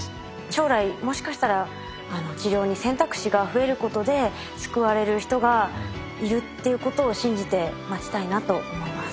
将来もしかしたら治療に選択肢が増えることで救われる人がいるっていうことを信じて待ちたいなと思います。